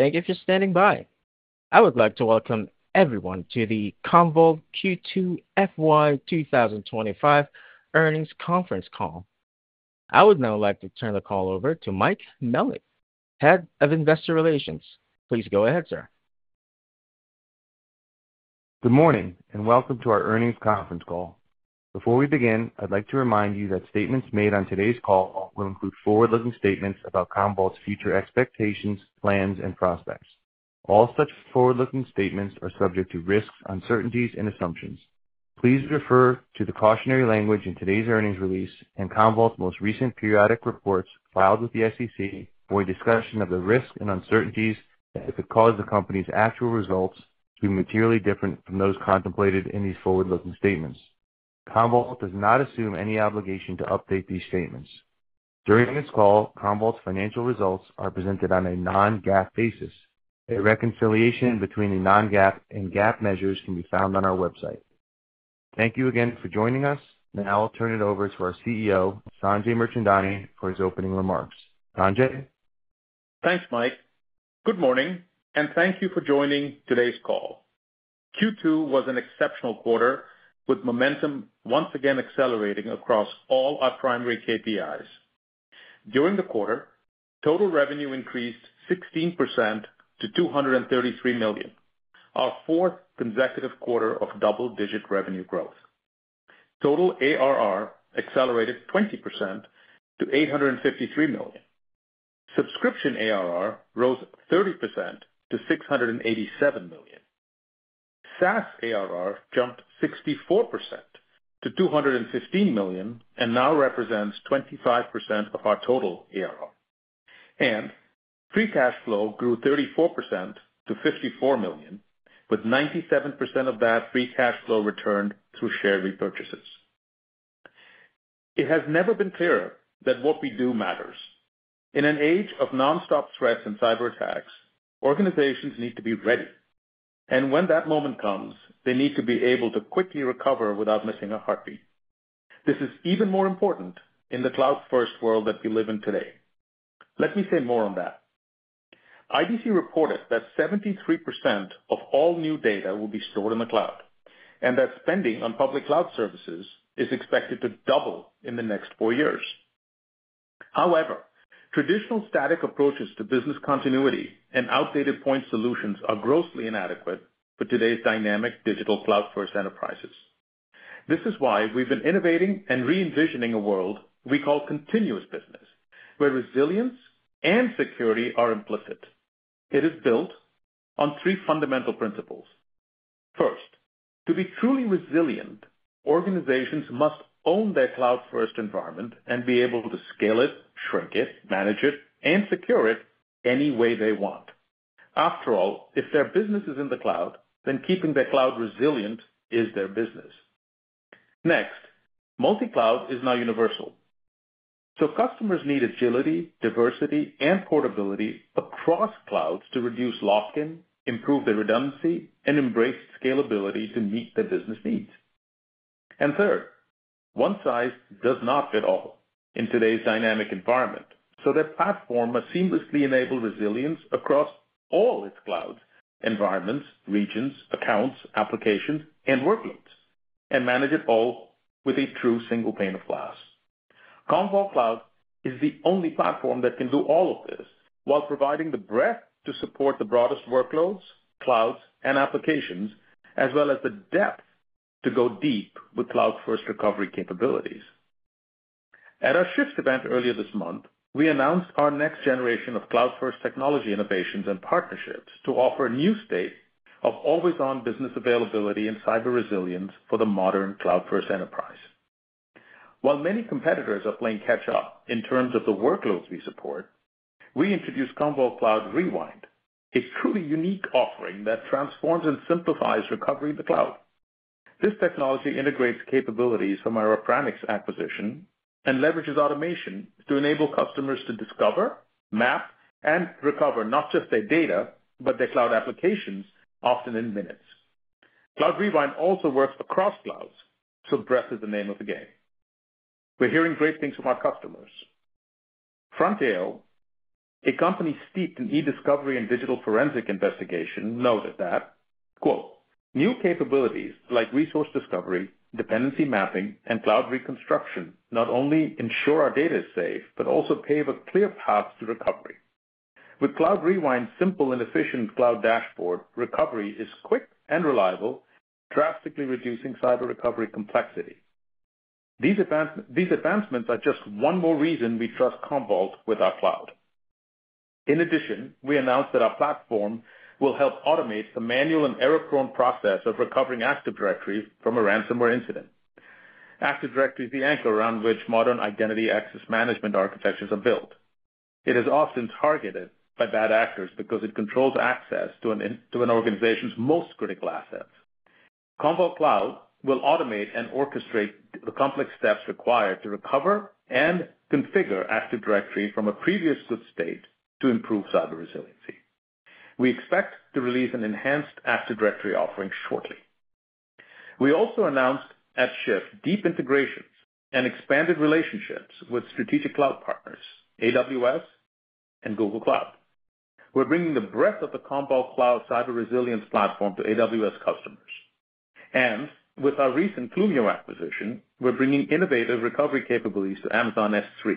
Thank you for standing by. I would like to welcome everyone to the Commvault Q2 FY 2025 earnings conference call. I would now like to turn the call over to Mike Melnyk, Head of Investor Relations. Please go ahead, sir. Good morning, and welcome to our earnings conference call. Before we begin, I'd like to remind you that statements made on today's call will include forward-looking statements about Commvault's future expectations, plans, and prospects. All such forward-looking statements are subject to risks, uncertainties, and assumptions. Please refer to the cautionary language in today's earnings release and Commvault's most recent periodic reports filed with the SEC for a discussion of the risks and uncertainties that could cause the company's actual results to be materially different from those contemplated in these forward-looking statements. Commvault does not assume any obligation to update these statements. During this call, Commvault's financial results are presented on a non-GAAP basis. A reconciliation between the non-GAAP and GAAP measures can be found on our website. Thank you again for joining us. Now I'll turn it over to our CEO, Sanjay Mirchandani, for his opening remarks. Sanjay? Thanks, Mike. Good morning, and thank you for joining today's call. Q2 was an exceptional quarter, with momentum once again accelerating across all our primary KPIs. During the quarter, total revenue increased 16% to $233 million, our fourth consecutive quarter of double-digit revenue growth. Total ARR accelerated 20% to $853 million. Subscription ARR rose 30% to $687 million. SaaS ARR jumped 64% to $215 million and now represents 25% of our total ARR. And free cash flow grew 34% to $54 million, with 97% of that free cash flow returned through share repurchases. It has never been clearer that what we do matters. In an age of nonstop threats and cyberattacks, organizations need to be ready. And when that moment comes, they need to be able to quickly recover without missing a heartbeat. This is even more important in the cloud-first world that we live in today. Let me say more on that. IDC reported that 73% of all new data will be stored in the cloud, and that spending on public cloud services is expected to double in the next four years. However, traditional static approaches to business continuity and outdated point solutions are grossly inadequate for today's dynamic digital cloud-first enterprises. This is why we've been innovating and re-envisioning a world we call continuous business, where resilience and security are implicit. It is built on three fundamental principles. First, to be truly resilient, organizations must own their cloud-first environment and be able to scale it, shrink it, manage it, and secure it any way they want. After all, if their business is in the cloud, then keeping their cloud resilient is their business. Next, multi-cloud is now universal. So customers need agility, diversity, and portability across clouds to reduce lock-in, improve their redundancy, and embrace scalability to meet their business needs. And third, one size does not fit all in today's dynamic environment. So their platform must seamlessly enable resilience across all its clouds, environments, regions, accounts, applications, and workloads, and manage it all with a true single pane of glass. Commvault Cloud is the only platform that can do all of this while providing the breadth to support the broadest workloads, clouds, and applications, as well as the depth to go deep with cloud-first recovery capabilities. At our SHIFT event earlier this month, we announced our next generation of cloud-first technology innovations and partnerships to offer a new state of always-on business availability and cyber resilience for the modern cloud-first enterprise. While many competitors are playing catch-up in terms of the workloads we support, we introduced Commvault Cloud Rewind, a truly unique offering that transforms and simplifies recovery in the cloud. This technology integrates capabilities from Appranix's acquisition and leverages automation to enable customers to discover, map, and recover not just their data, but their cloud applications, often in minutes. Cloud Rewind also works across clouds, so breadth is the name of the game. We're hearing great things from our customers. Fronteo, a company steeped in e-discovery and digital forensic investigation, noted that, "New capabilities like resource discovery, dependency mapping, and cloud reconstruction not only ensure our data is safe, but also pave a clear path to recovery. With Cloud Rewind's simple and efficient cloud dashboard, recovery is quick and reliable, drastically reducing cyber recovery complexity." These advancements are just one more reason we trust Commvault with our cloud. In addition, we announced that our platform will help automate the manual and error-prone process of recovering Active Directory from a ransomware incident. Active Directory is the anchor around which modern identity access management architectures are built. It is often targeted by bad actors because it controls access to an organization's most critical assets. Commvault Cloud will automate and orchestrate the complex steps required to recover and configure Active Directory from a previous good state to improve cyber resiliency. We expect to release an enhanced Active Directory offering shortly. We also announced at SHIFT deep integrations and expanded relationships with strategic cloud partners, AWS and Google Cloud. We're bringing the breadth of the Commvault Cloud cyber resilience platform to AWS customers. And with our recent Clumio acquisition, we're bringing innovative recovery capabilities to Amazon S3.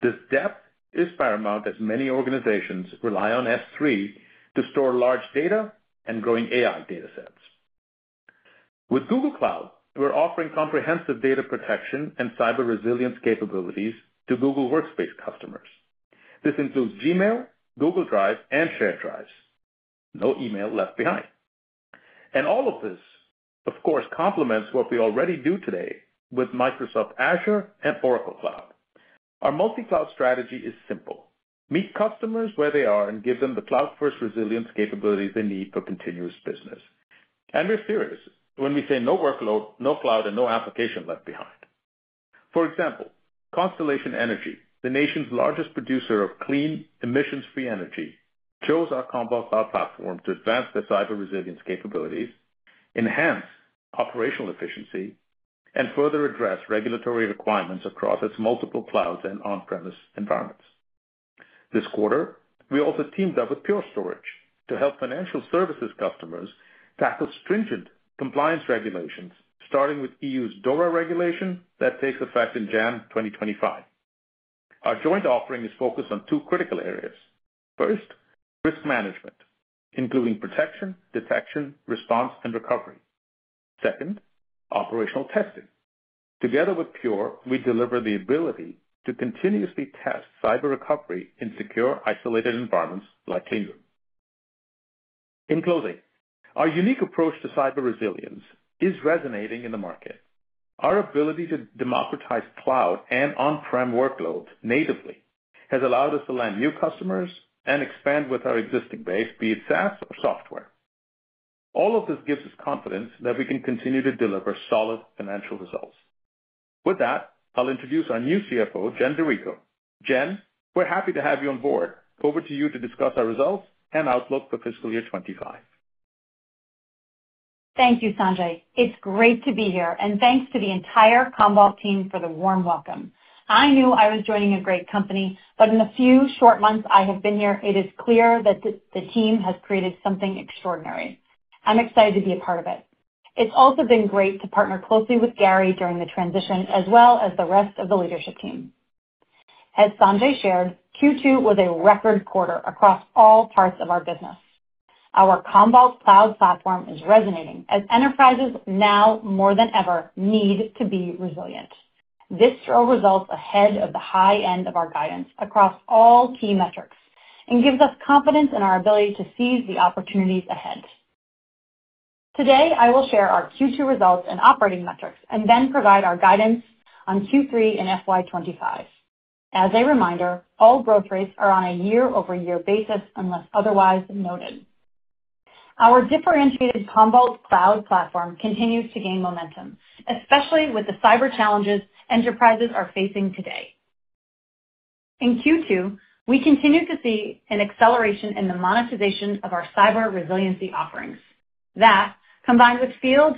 This depth is paramount as many organizations rely on S3 to store large data and growing AI data sets. With Google Cloud, we're offering comprehensive data protection and cyber resilience capabilities to Google Workspace customers. This includes Gmail, Google Drive, and Shared Drives. No email left behind. And all of this, of course, complements what we already do today with Microsoft Azure and Oracle Cloud. Our multi-cloud strategy is simple. Meet customers where they are and give them the cloud-first resilience capabilities they need for continuous business. And we're serious when we say no workload, no cloud, and no application left behind. For example, Constellation Energy, the nation's largest producer of clean, emissions-free energy, chose our Commvault Cloud platform to advance their cyber resilience capabilities, enhance operational efficiency, and further address regulatory requirements across its multiple clouds and on-premise environments. This quarter, we also teamed up with Pure Storage to help financial services customers tackle stringent compliance regulations, starting with EU's DORA regulation that takes effect in January 2025. Our joint offering is focused on two critical areas. First, risk management, including protection, detection, response, and recovery. Second, operational testing. Together with Pure, we deliver the ability to continuously test cyber recovery in secure, isolated environments like Cleanroom. In closing, our unique approach to cyber resilience is resonating in the market. Our ability to democratize cloud and on-prem workloads natively has allowed us to land new customers and expand with our existing base, be it SaaS or software. All of this gives us confidence that we can continue to deliver solid financial results. With that, I'll introduce our new CFO, Jen DiRico. Jen, we're happy to have you on board. Over to you to discuss our results and outlook for fiscal year 2025. Thank you, Sanjay. It's great to be here, and thanks to the entire Commvault team for the warm welcome. I knew I was joining a great company, but in the few short months I have been here, it is clear that the team has created something extraordinary. I'm excited to be a part of it. It's also been great to partner closely with Gary during the transition, as well as the rest of the leadership team. As Sanjay shared, Q2 was a record quarter across all parts of our business. Our Commvault Cloud platform is resonating as enterprises now more than ever need to be resilient. This drove results ahead of the high end of our guidance across all key metrics and gives us confidence in our ability to seize the opportunities ahead. Today, I will share our Q2 results and operating metrics and then provide our guidance on Q3 and FY 2025. As a reminder, all growth rates are on a year-over-year basis unless otherwise noted. Our differentiated Commvault Cloud platform continues to gain momentum, especially with the cyber challenges enterprises are facing today. In Q2, we continue to see an acceleration in the monetization of our cyber resiliency offerings. That, combined with field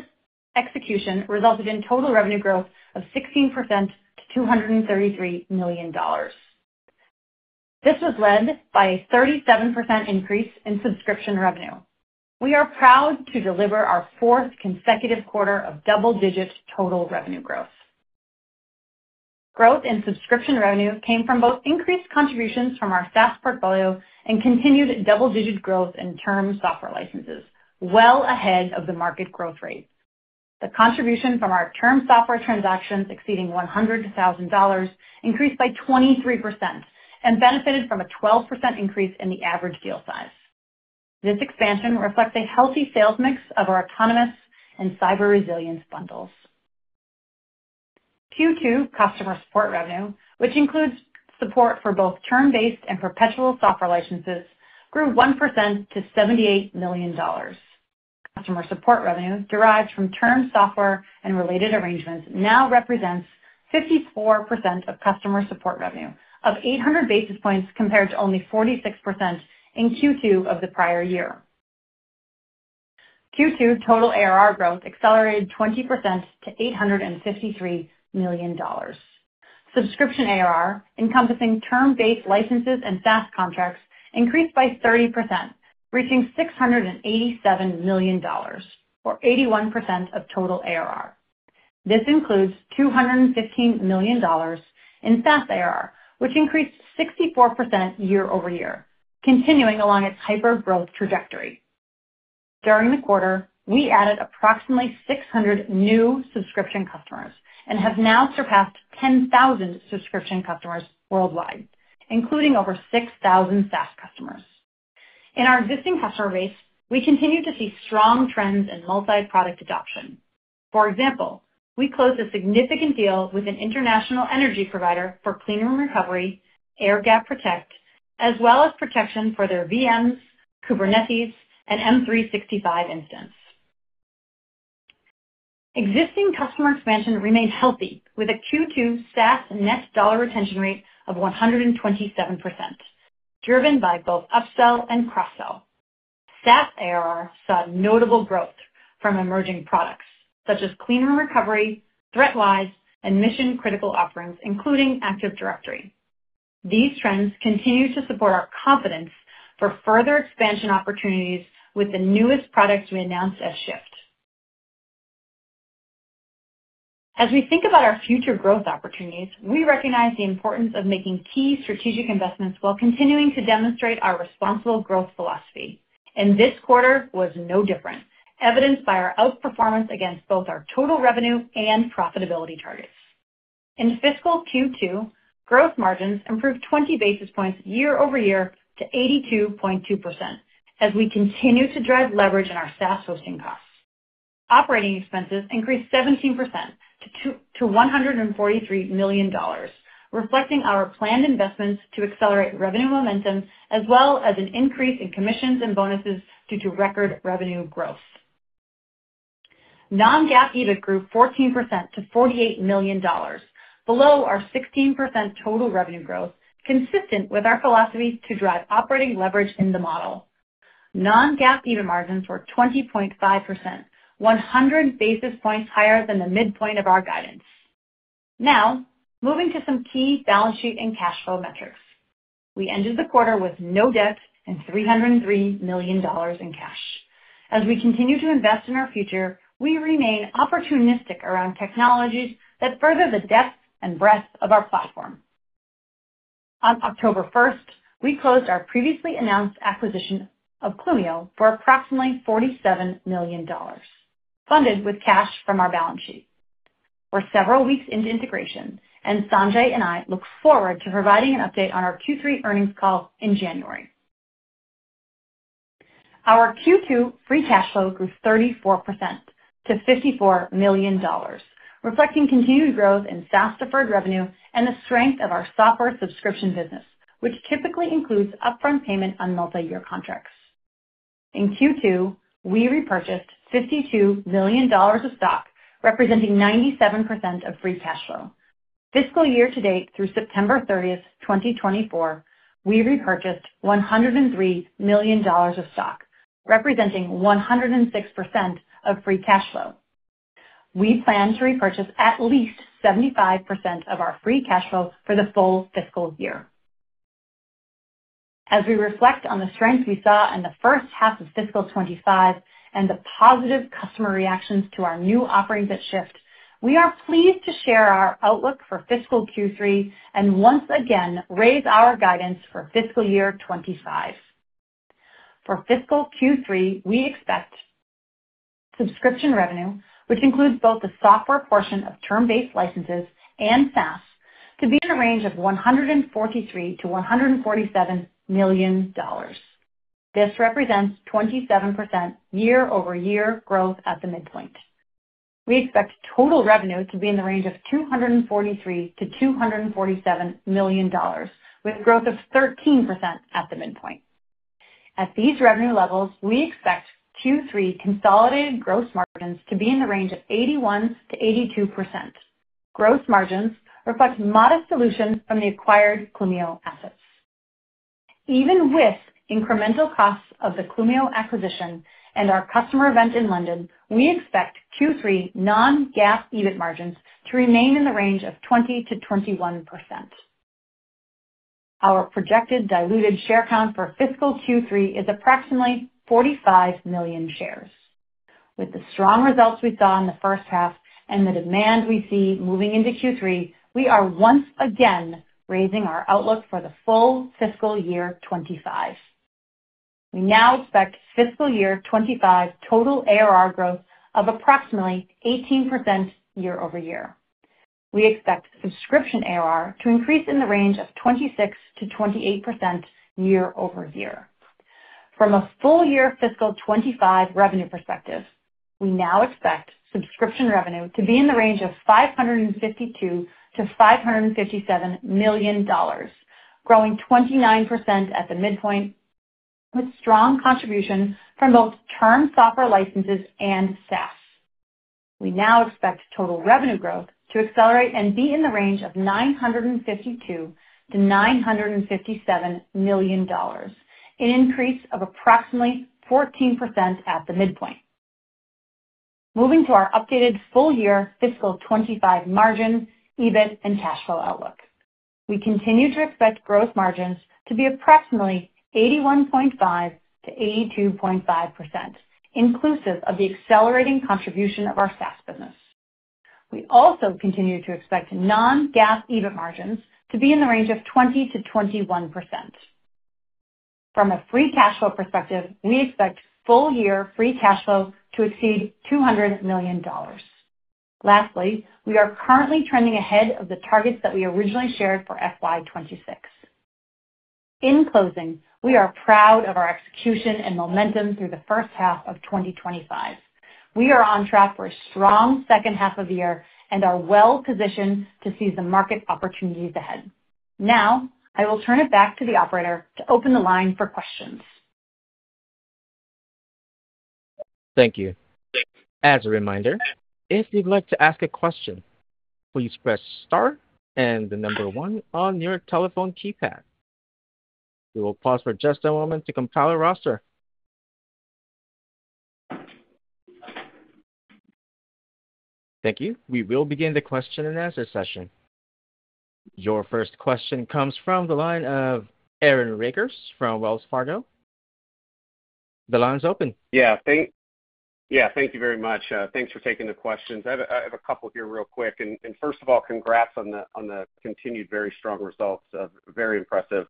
execution, resulted in total revenue growth of 16% to $233 million. This was led by a 37% increase in subscription revenue. We are proud to deliver our fourth consecutive quarter of double-digit total revenue growth. Growth in subscription revenue came from both increased contributions from our SaaS portfolio and continued double-digit growth in term software licenses, well ahead of the market growth rate. The contribution from our term software transactions exceeding $100,000 increased by 23% and benefited from a 12% increase in the average deal size. This expansion reflects a healthy sales mix of our autonomous and cyber resilience bundles. Q2 customer support revenue, which includes support for both term-based and perpetual software licenses, grew 1% to $78 million. Customer support revenue derived from term software and related arrangements now represents 54% of customer support revenue, up 800 basis points compared to only 46% in Q2 of the prior year. Q2 total ARR growth accelerated 20% to $853 million. Subscription ARR, encompassing term-based licenses and SaaS contracts, increased by 30%, reaching $687 million, or 81% of total ARR. This includes $215 million in SaaS ARR, which increased 64% year-over-year, continuing along its hyper-growth trajectory. During the quarter, we added approximately 600 new subscription customers and have now surpassed 10,000 subscription customers worldwide, including over 6,000 SaaS customers. In our existing customer base, we continue to see strong trends in multi-product adoption. For example, we closed a significant deal with an international energy provider for Cleanroom Recovery, Air Gap Protect, as well as protection for their VMs, Kubernetes, and M365 instance. Existing customer expansion remained healthy with a Q2 SaaS net dollar retention rate of 127%, driven by both upsell and cross-sell. SaaS ARR saw notable growth from emerging products such as Cleanroom Recovery, ThreatWise, and mission-critical offerings, including Active Directory. These trends continue to support our confidence for further expansion opportunities with the newest products we announced at SHIFT. As we think about our future growth opportunities, we recognize the importance of making key strategic investments while continuing to demonstrate our responsible growth philosophy. And this quarter was no different, evidenced by our outperformance against both our total revenue and profitability targets. In fiscal Q2, gross margins improved 20 basis points year-over-year to 82.2% as we continue to drive leverage in our SaaS hosting costs. Operating expenses increased 17% to $143 million, reflecting our planned investments to accelerate revenue momentum as well as an increase in commissions and bonuses due to record revenue growth. Non-GAAP EBIT grew 14% to $48 million, below our 16% total revenue growth, consistent with our philosophy to drive operating leverage in the model. Non-GAAP EBIT margins were 20.5%, 100 basis points higher than the midpoint of our guidance. Now, moving to some key balance sheet and cash flow metrics. We ended the quarter with no debt and $303 million in cash. As we continue to invest in our future, we remain opportunistic around technologies that further the depth and breadth of our platform. On October 1st, we closed our previously announced acquisition of Clumio for approximately $47 million, funded with cash from our balance sheet. We're several weeks into integration, and Sanjay and I look forward to providing an update on our Q3 earnings call in January. Our Q2 free cash flow grew 34% to $54 million, reflecting continued growth in SaaS-deferred revenue and the strength of our software subscription business, which typically includes upfront payment on multi-year contracts. In Q2, we repurchased $52 million of stock, representing 97% of free cash flow. Fiscal year to date, through September 30th, 2024, we repurchased $103 million of stock, representing 106% of free cash flow. We plan to repurchase at least 75% of our free cash flow for the full fiscal year. As we reflect on the strength we saw in the first half of fiscal 2025 and the positive customer reactions to our new offerings at SHIFT, we are pleased to share our outlook for fiscal Q3 and once again raise our guidance for fiscal year 2025. For fiscal Q3, we expect subscription revenue, which includes both the software portion of term-based licenses and SaaS, to be in a range of $143 million-$147 million. This represents 27% year-over-year growth at the midpoint. We expect total revenue to be in the range of $243 million-$247 million, with growth of 13% at the midpoint. At these revenue levels, we expect Q3 consolidated gross margins to be in the range of 81%-82%. Gross margins reflect modest dilution from the acquired Clumio assets. Even with incremental costs of the Clumio acquisition and our customer event in London, we expect Q3 non-GAAP EBIT margins to remain in the range of 20%-21%. Our projected diluted share count for fiscal Q3 is approximately 45 million shares. With the strong results we saw in the first half and the demand we see moving into Q3, we are once again raising our outlook for the full fiscal year 2025. We now expect fiscal year 2025 total ARR growth of approximately 18% year-over-year. We expect subscription ARR to increase in the range of 26%-28% year-over-year. From a full year fiscal 2025 revenue perspective, we now expect subscription revenue to be in the range of $552 million-$557 million, growing 29% at the midpoint, with strong contribution from both term software licenses and SaaS. We now expect total revenue growth to accelerate and be in the range of $952 million-$957 million, an increase of approximately 14% at the midpoint. Moving to our updated full year fiscal 2025 margins, EBIT, and cash flow outlook. We continue to expect gross margins to be approximately 81.5%-82.5%, inclusive of the accelerating contribution of our SaaS business. We also continue to expect non-GAAP EBIT margins to be in the range of 20%-21%. From a free cash flow perspective, we expect full year free cash flow to exceed $200 million. Lastly, we are currently trending ahead of the targets that we originally shared for FY 2026. In closing, we are proud of our execution and momentum through the first half of 2025. We are on track for a strong second half of the year and are well-positioned to seize the market opportunities ahead. Now, I will turn it back to the operator to open the line for questions. Thank you. As a reminder, if you'd like to ask a question, please press Star and the number one on your telephone keypad. We will pause for just a moment to compile a roster. Thank you. We will begin the question and answer session. Your first question comes from the line of Aaron Rakers from Wells Fargo. The line's open. Yeah. Thank you very much. Thanks for taking the questions. I have a couple here real quick, and first of all, congrats on the continued very strong results, very impressive.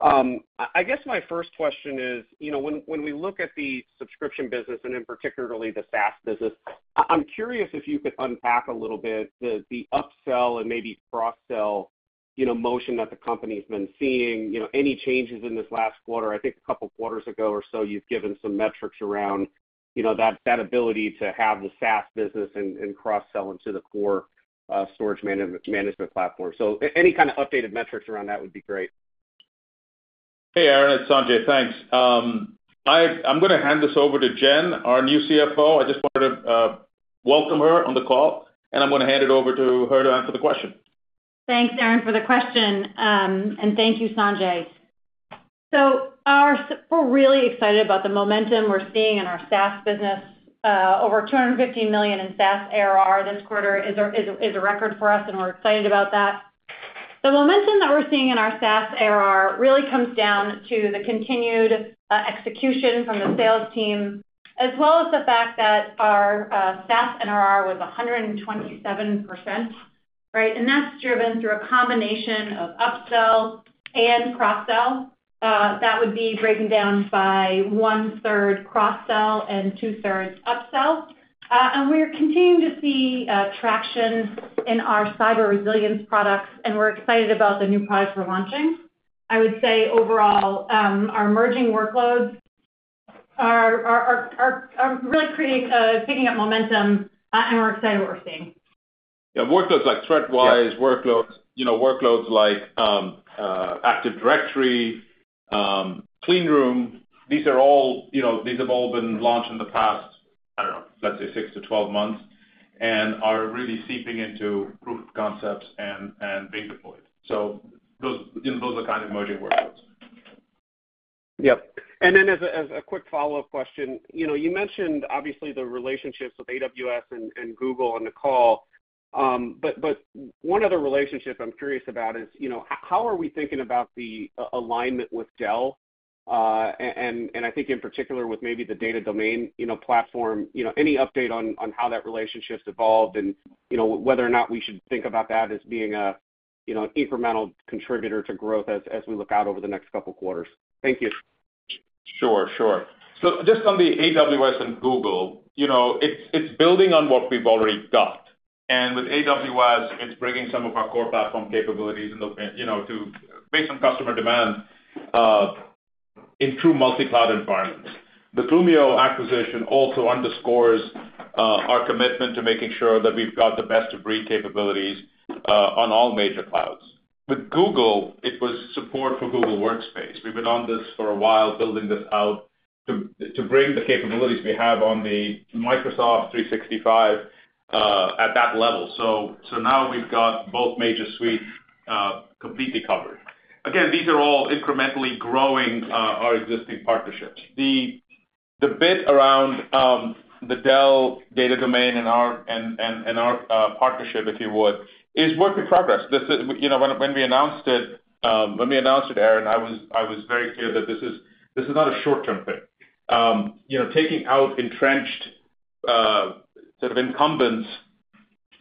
I guess my first question is, when we look at the subscription business and in particularly the SaaS business, I'm curious if you could unpack a little bit the upsell and maybe cross-sell motion that the company's been seeing, any changes in this last quarter. I think a couple of quarters ago or so, you've given some metrics around that ability to have the SaaS business and cross-sell into the core storage management platform, so any kind of updated metrics around that would be great. Hey, Aaron. It's Sanjay. Thanks. I'm going to hand this over to Jen, our new CFO. I just wanted to welcome her on the call, and I'm going to hand it over to her to answer the question. Thanks, Aaron, for the question. And thank you, Sanjay. So we're really excited about the momentum we're seeing in our SaaS business. Over $250 million in SaaS ARR this quarter is a record for us, and we're excited about that. The momentum that we're seeing in our SaaS ARR really comes down to the continued execution from the sales team, as well as the fact that our SaaS NRR was 127%. And that's driven through a combination of upsell and cross-sell. That would be breaking down by one-third cross-sell and two-thirds upsell. And we're continuing to see traction in our cyber resilience products, and we're excited about the new products we're launching. I would say overall, our emerging workloads are really picking up momentum, and we're excited about what we're seeing. Yeah. Workloads like ThreatWise, workloads like Active Directory, Cleanroom, these have all been launched in the past, I don't know, let's say six to 12 months, and are really seeping into proof of concepts and being deployed. So those are kind of emerging workloads. Yep. And then as a quick follow-up question, you mentioned obviously the relationships with AWS and Google on the call. But one other relationship I'm curious about is how are we thinking about the alignment with Dell? And I think in particular with maybe the Data Domain platform, any update on how that relationship's evolved and whether or not we should think about that as being an incremental contributor to growth as we look out over the next couple of quarters. Thank you. Sure. Sure. So just on the AWS and Google, it's building on what we've already got. And with AWS, it's bringing some of our core platform capabilities based on customer demand in true multi-cloud environments. The Clumio acquisition also underscores our commitment to making sure that we've got the best-of-breed capabilities on all major clouds. With Google, it was support for Google Workspace. We've been on this for a while, building this out to bring the capabilities we have on the Microsoft 365 at that level. So now we've got both major suites completely covered. Again, these are all incrementally growing our existing partnerships. The bit around the Dell Data Domain and our partnership, if you would, is work in progress. When we announced it, Aaron, I was very clear that this is not a short-term thing. Taking out entrenched sort of incumbents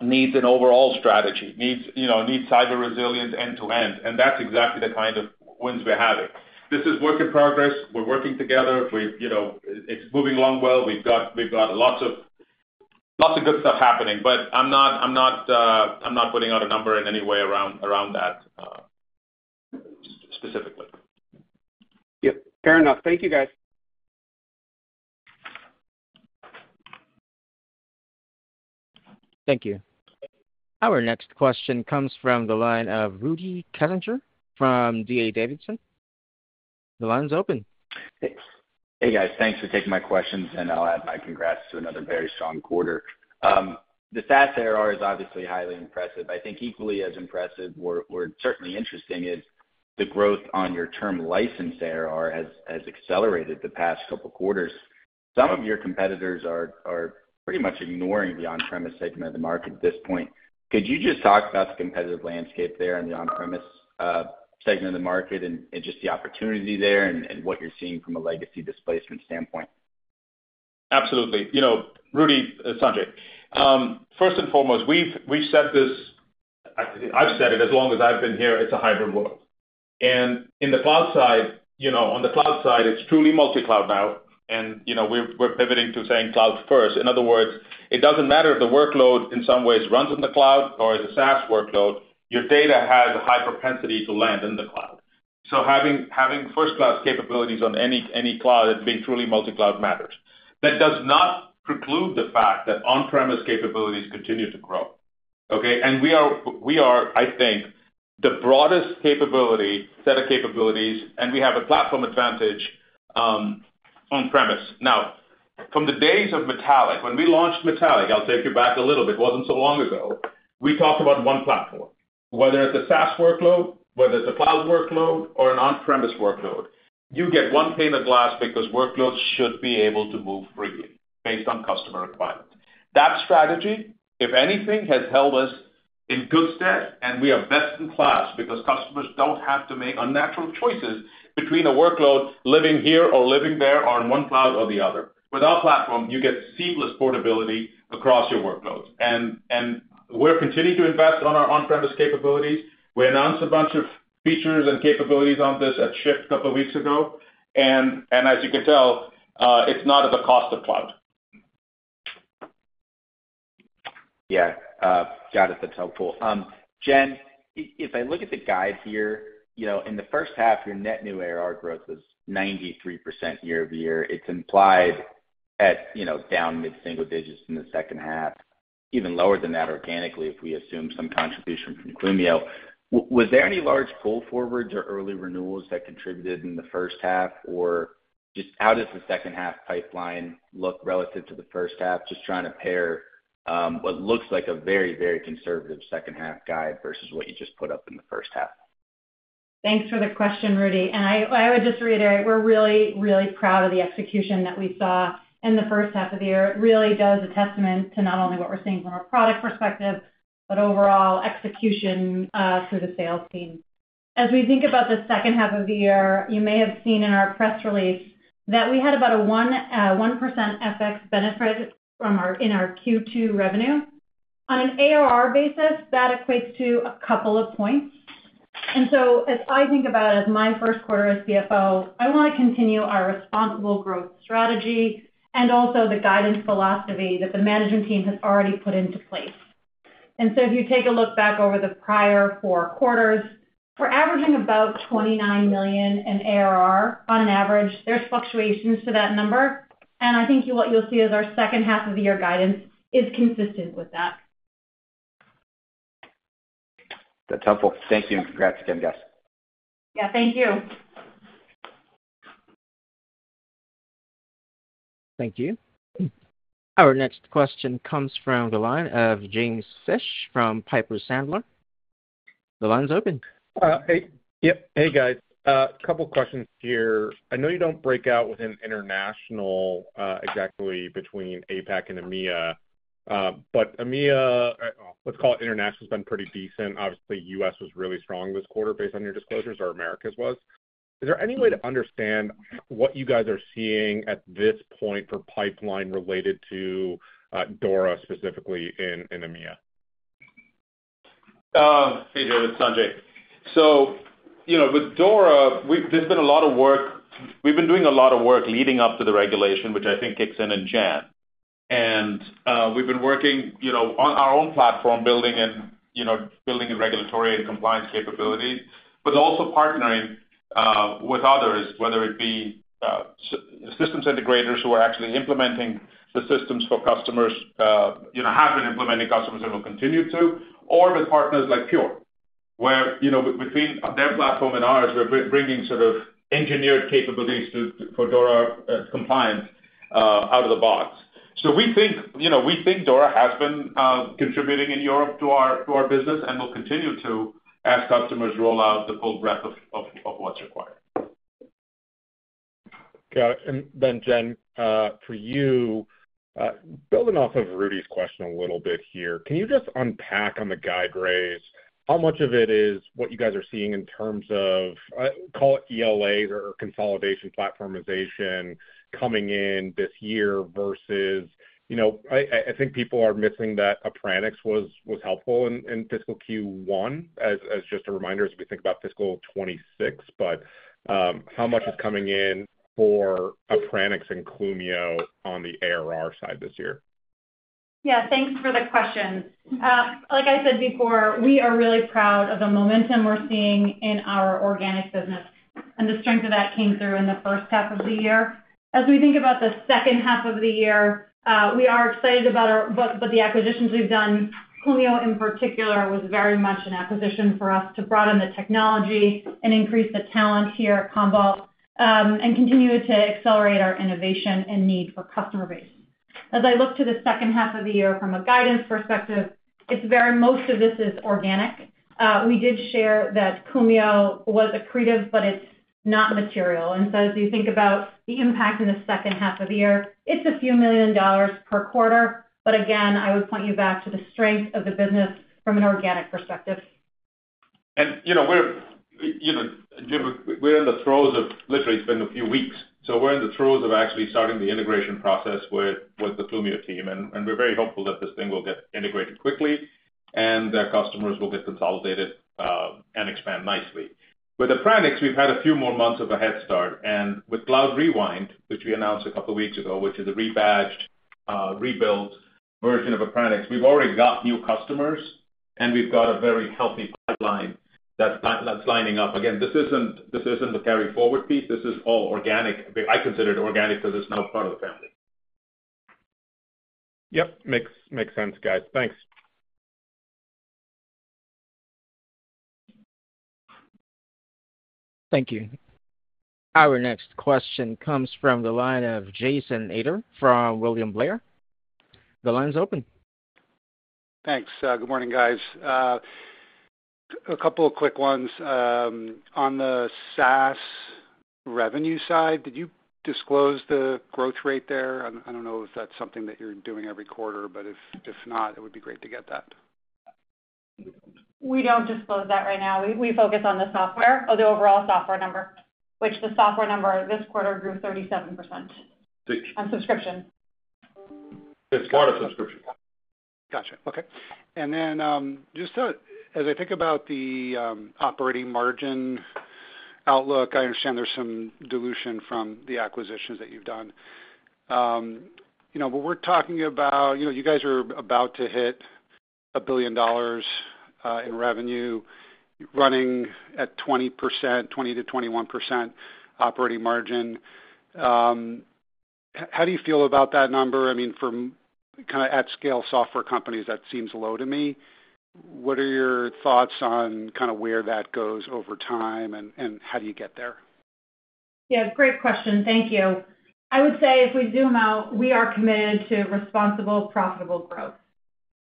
needs an overall strategy, needs cyber resilience end-to-end, and that's exactly the kind of wins we're having. This is work in progress. We're working together. It's moving along well. We've got lots of good stuff happening, but I'm not putting out a number in any way around that specifically. Yep. Fair enough. Thank you, guys. Thank you. Our next question comes from the line of Rudy Kessinger from D.A. Davidson. The line's open. Hey, guys. Thanks for taking my questions, and I'll add my congrats to another very strong quarter. The SaaS ARR is obviously highly impressive. I think equally as impressive or certainly interesting is the growth on your term license ARR has accelerated the past couple of quarters. Some of your competitors are pretty much ignoring the on-premise segment of the market at this point. Could you just talk about the competitive landscape there in the on-premise segment of the market and just the opportunity there and what you're seeing from a legacy displacement standpoint? Absolutely. Rudy, Sanjay, first and foremost, we've said this. I've said it as long as I've been here. It's a hybrid world and in the cloud side, on the cloud side, it's truly multi-cloud now and we're pivoting to saying cloud first. In other words, it doesn't matter if the workload in some ways runs in the cloud or is a SaaS workload, your data has a high propensity to land in the cloud. So having first-class capabilities on any cloud and being truly multi-cloud matters. That does not preclude the fact that on-premise capabilities continue to grow and we are, I think, the broadest set of capabilities, and we have a platform advantage on-premise. Now, from the days of Metallic, when we launched Metallic. I'll take you back a little bit. It wasn't so long ago, we talked about one platform. Whether it's a SaaS workload, whether it's a cloud workload, or an on-premise workload, you get one pane of glass because workloads should be able to move freely based on customer requirements. That strategy, if anything, has held us in good stead, and we are best in class because customers don't have to make unnatural choices between a workload living here or living there or in one cloud or the other. With our platform, you get seamless portability across your workloads, and we're continuing to invest on our on-premise capabilities. We announced a bunch of features and capabilities on this at SHIFT a couple of weeks ago, and as you can tell, it's not at the cost of cloud. Yeah. Got it. That's helpful. Jen, if I look at the guide here, in the first half, your net new ARR growth was 93% year-over-year. It's implied at down mid-single digits in the second half, even lower than that organically if we assume some contribution from Clumio. Was there any large pull forwards or early renewals that contributed in the first half? Or just how does the second-half pipeline look relative to the first half? Just trying to pair what looks like a very, very conservative second-half guide versus what you just put up in the first half. Thanks for the question, Rudy, and I would just reiterate, we're really, really proud of the execution that we saw in the first half of the year. It really is a testament to not only what we're seeing from a product perspective, but overall execution through the sales team. As we think about the second half of the year, you may have seen in our press release that we had about a 1% FX benefit in our Q2 revenue. On an ARR basis, that equates to a couple of points. And so as I think about it as my first quarter as CFO, I want to continue our responsible growth strategy and also the guidance philosophy that the management team has already put into place, and so if you take a look back over the prior four quarters, we're averaging about 29 million in ARR on average. There's fluctuations to that number. And I think what you'll see is our second half of the year guidance is consistent with that. That's helpful. Thank you. And congrats again, guys. Yeah. Thank you. Thank you. Our next question comes from the line of James Fish from Piper Sandler. The line's open. Hey. Yep. Hey, guys. A couple of questions here. I know you don't break out within international exactly between APAC and EMEA. But EMEA, let's call it international, has been pretty decent. Obviously, U.S. was really strong this quarter based on your disclosures, or America's was. Is there any way to understand what you guys are seeing at this point for pipeline related to DORA specifically in EMEA? Hey, David, Sanjay. So with DORA, there's been a lot of work. We've been doing a lot of work leading up to the regulation, which I think kicks in in January, and we've been working on our own platform, building in regulatory and compliance capabilities, but also partnering with others, whether it be systems integrators who are actually implementing the systems for customers, have been implementing customers and will continue to, or with partners like Pure, where between their platform and ours, we're bringing sort of engineered capabilities for DORA compliance out of the box. So we think DORA has been contributing in Europe to our business and will continue to ask customers to roll out the full breadth of what's required. Got it. And then, Jen, for you, building off of Rudy's question a little bit here, can you just unpack on the guide, Ray, how much of it is what you guys are seeing in terms of, call it ELAs or consolidation platformization coming in this year versus I think people are missing that Appranix was helpful in fiscal Q1 as just a reminder as we think about fiscal 2026. But how much is coming in for Appranix and Clumio on the ARR side this year? Yeah. Thanks for the question. Like I said before, we are really proud of the momentum we're seeing in our organic business. And the strength of that came through in the first half of the year. As we think about the second half of the year, we are excited about the acquisitions we've done. Clumio, in particular, was very much an acquisition for us to broaden the technology and increase the talent here at Commvault and continue to accelerate our innovation and need for customer base. As I look to the second half of the year from a guidance perspective, it's very much so this is organic. We did share that Clumio was accretive, but it's not material. And so as you think about the impact in the second half of the year, it's a few million dollars per quarter. But again, I would point you back to the strength of the business from an organic perspective. And we're in the throes of literally spending a few weeks. So we're in the throes of actually starting the integration process with the Clumio team. And we're very hopeful that this thing will get integrated quickly and that customers will get consolidated and expand nicely. With Appranix, we've had a few more months of a head start. And with Cloud Rewind, which we announced a couple of weeks ago, which is a rebadged, rebuilt version of Appranix, we've already got new customers and we've got a very healthy pipeline that's lining up. Again, this isn't the carry-forward piece. This is all organic. I consider it organic because it's now part of the family. Yep. Makes sense, guys. Thanks. Thank you. Our next question comes from the line of Jason Ader from William Blair. The line's open. Thanks. Good morning, guys. A couple of quick ones. On the SaaS revenue side, did you disclose the growth rate there? I don't know if that's something that you're doing every quarter, but if not, it would be great to get that. We don't disclose that right now. We focus on the software, the overall software number, which the software number this quarter grew 37% on subscription. It's part of subscription. Gotcha. Okay. And then just as I think about the operating margin outlook, I understand there's some dilution from the acquisitions that you've done. But we're talking about you guys are about to hit $1 billion in revenue running at 20%-21% operating margin. How do you feel about that number? I mean, for kind of at-scale software companies, that seems low to me. What are your thoughts on kind of where that goes over time and how do you get there? Yeah. Great question. Thank you. I would say if we zoom out, we are committed to responsible, profitable growth.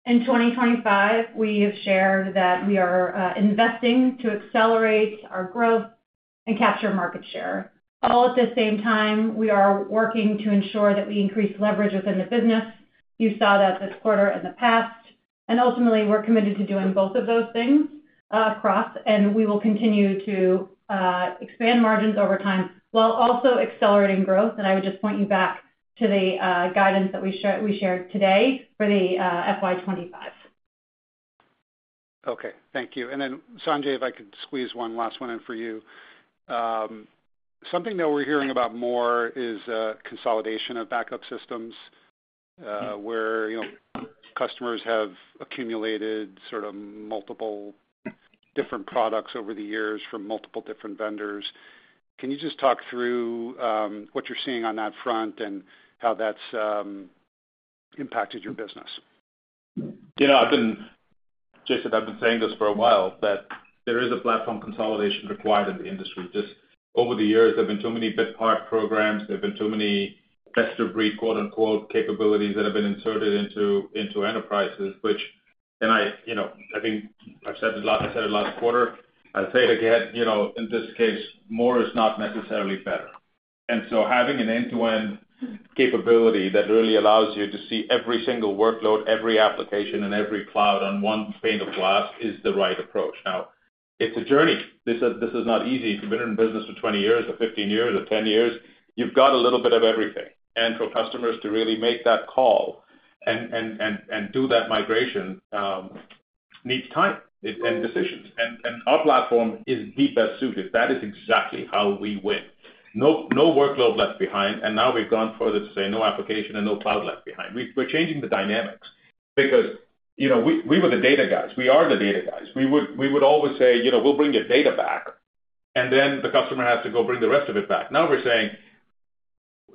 In 2025, we have shared that we are investing to accelerate our growth and capture market share. All at the same time, we are working to ensure that we increase leverage within the business. You saw that this quarter and the past. And ultimately, we're committed to doing both of those things across. And we will continue to expand margins over time while also accelerating growth. And I would just point you back to the guidance that we shared today for the FY 2025. Okay. Thank you. And then, Sanjay, if I could squeeze one last one in for you. Something that we're hearing about more is consolidation of backup systems where customers have accumulated sort of multiple different products over the years from multiple different vendors. Can you just talk through what you're seeing on that front and how that's impacted your business? Jason, I've been saying this for a while, that there is a platform consolidation required in the industry. Just over the years, there've been too many bit part programs. There've been too many best-of-breed "capabilities" that have been inserted into enterprises, which I think I've said a lot last quarter. I'll say it again. In this case, more is not necessarily better. And so having an end-to-end capability that really allows you to see every single workload, every application, and every cloud on one pane of glass is the right approach. Now, it's a journey. This is not easy. If you've been in business for 20 years or 15 years or 10 years, you've got a little bit of everything. And for customers to really make that call and do that migration needs time and decisions. And our platform is the best suited. That is exactly how we win. No workload left behind. And now we've gone further to say no application and no cloud left behind. We're changing the dynamics because we were the data guys. We are the data guys. We would always say, "We'll bring your data back," and then the customer has to go bring the rest of it back. Now we're saying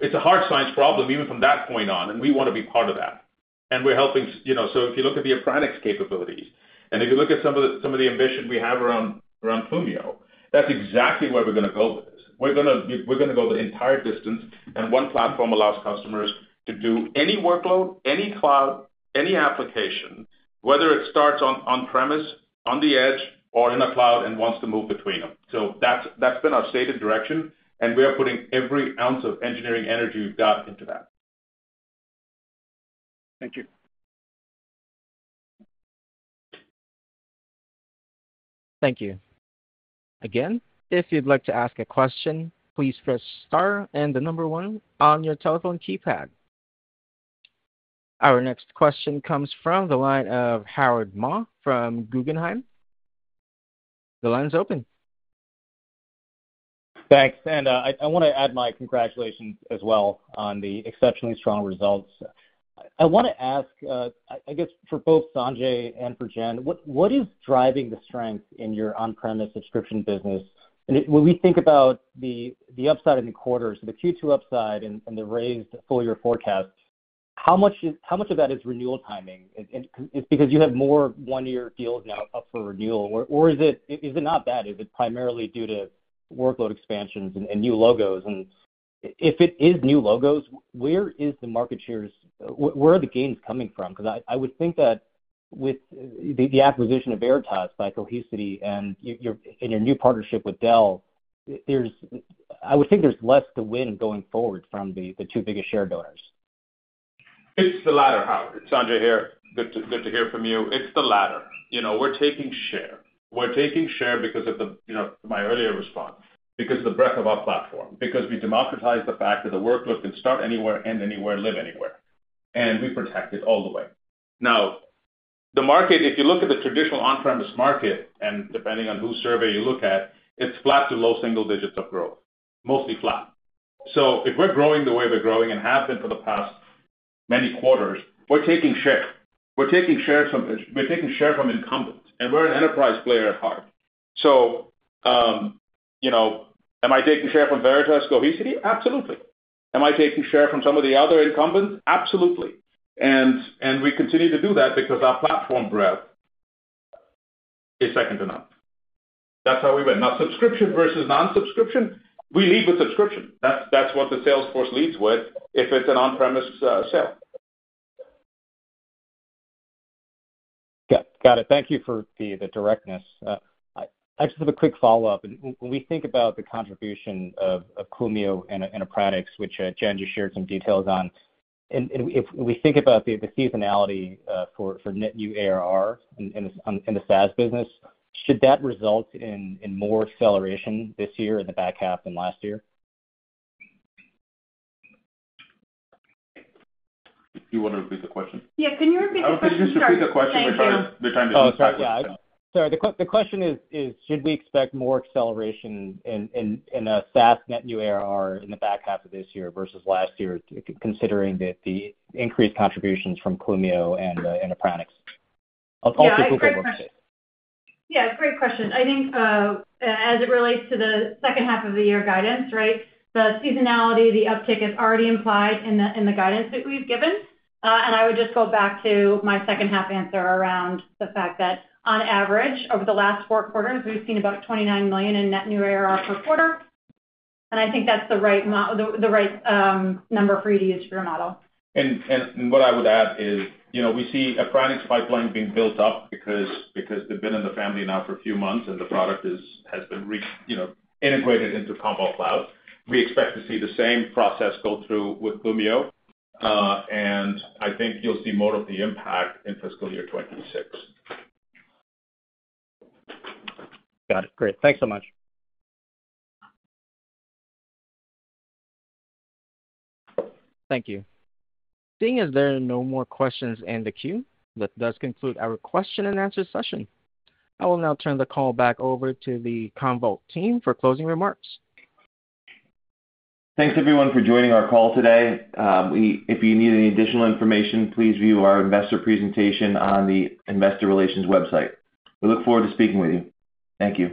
it's a hard science problem even from that point on, and we want to be part of that. And we're helping. So if you look at the Appranix capabilities and if you look at some of the ambition we have around Clumio, that's exactly where we're going to go with this. We're going to go the entire distance. And one platform allows customers to do any workload, any cloud, any application, whether it starts on-premise, on the edge, or in a cloud and wants to move between them. So that's been our stated direction. And we are putting every ounce of engineering energy we've got into that. Thank you. Thank you. Again, if you'd like to ask a question, please press star and the number one on your telephone keypad. Our next question comes from the line of Howard Ma from Guggenheim. The line's open. Thanks. And I want to add my congratulations as well on the exceptionally strong results. I want to ask, I guess, for both Sanjay and for Jen, what is driving the strength in your on-premise subscription business? When we think about the upside in the quarter, so the Q2 upside and the raised full-year forecast, how much of that is renewal timing? It's because you have more one-year deals now up for renewal. Or is it not that? Is it primarily due to workload expansions and new logos? And if it is new logos, where is the market share? Where are the gains coming from? Because I would think that with the acquisition of Veritas by Cohesity and your new partnership with Dell, I would think there's less to win going forward from the two biggest shareholders. It's the latter, Howard. Sanjay here. Good to hear from you. It's the latter. We're taking share. We're taking share because of my earlier response, because of the breadth of our platform, because we democratize the fact that the workload can start anywhere, end anywhere, live anywhere. And we protect it all the way. Now, the market, if you look at the traditional on-premise market, and depending on whose survey you look at, it's flat to low single digits of growth, mostly flat. So if we're growing the way we're growing and have been for the past many quarters, we're taking share. We're taking share from incumbents. And we're an enterprise player at heart. So am I taking share from Veritas, Cohesity? Absolutely. Am I taking share from some of the other incumbents? Absolutely. And we continue to do that because our platform breadth is second to none. That's how we win. Now, subscription versus non-subscription, we lead with subscription. That's what the sales force leads with if it's an on-premise sale. Got it. Thank you for the directness. Actually, I have a quick follow-up. When we think about the contribution of Clumio and Appranix, which Jen just shared some details on, if we think about the seasonality for net new ARR in the SaaS business, should that result in more acceleration this year in the back half than last year? Do you want to repeat the question? Yeah. Can you repeat the question? Just repeat the question. We're trying to. Oh, sorry. Yeah. Sorry. The question is, should we expect more acceleration in a SaaS net new ARR in the back half of this year versus last year, considering the increased contributions from Clumio and Appranix, also Google Workspace? Yeah. Great question. I think as it relates to the second half of the year guidance, right, the seasonality, the uptick is already implied in the guidance that we've given. I would just go back to my second-half answer around the fact that on average, over the last four quarters, we've seen about $29 million in net new ARR per quarter. I think that's the right number for you to use for your model. What I would add is we see Appranix pipeline being built up because they've been in the family now for a few months and the product has been integrated into Commvault Cloud. We expect to see the same process go through with Clumio. I think you'll see more of the impact in fiscal year 2026. Got it. Great. Thanks so much. Thank you. Seeing as there are no more questions in the queue, that does conclude our question and answer session. I will now turn the call back over to the Commvault team for closing remarks. Thanks, everyone, for joining our call today. If you need any additional information, please view our investor presentation on the investor relations website. We look forward to speaking with you. Thank you.